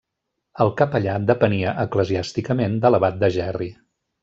El capellà depenia eclesiàsticament de l'abat de Gerri.